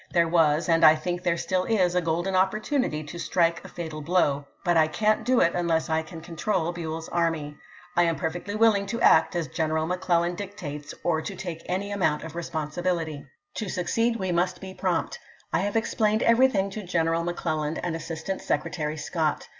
There was, and I think there still is, a golden opportunity to strike a fatal blow, but I can't do it unless I can control Buell's army. I am perfectly willing to act as G eneral McClellan dictates or to take any amount of responsibility. THE SHILOH CAMPAIGN 309 To succeed we must be prompt. I have explained ch. xviii. everything to General McClellan and Assistant Secretary Scott.